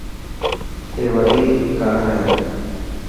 اي وڏي ڪار هي.